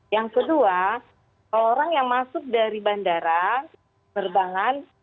yang kedua orang yang masuk dari bandara berbangan